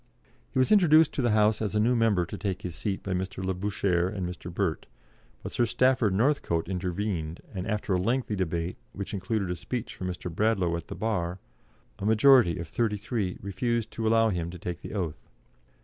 He was introduced to the House as a new member to take his seat by Mr. Labouchere and Mr. Burt, but Sir Stafford Northcote intervened, and after a lengthy debate, which included a speech from Mr. Bradlaugh at the Bar, a majority of thirty three refused to allow him to take the oath.